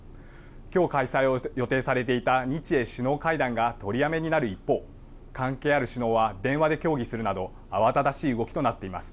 きょう開催を予定されていた日英首脳会談が取りやめになる一方、関係ある首脳は電話で協議するなど新しい動きとなっています。